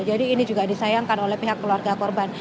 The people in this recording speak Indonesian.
ini juga disayangkan oleh pihak keluarga korban